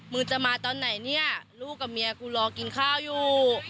มึงจะมาตอนไหนเนี่ยลูกกับเมียกูรอกินข้าวอยู่